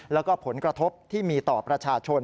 แล้วก็ผลกระทบที่มีต่อประชาชน